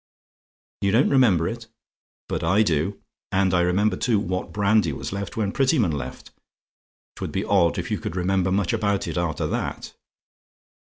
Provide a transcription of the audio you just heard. "YOU DON'T REMEMBER IT? "But I do: and I remember, too, what brandy was left when Prettyman left. 'Twould be odd if you could remember much about it, after that.